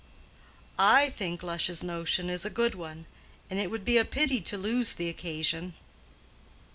"I think Lush's notion is a good one. And it would be a pity to lose the occasion."